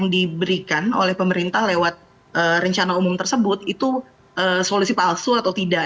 yang diberikan oleh pemerintah lewat rencana umum tersebut itu solusi palsu atau tidak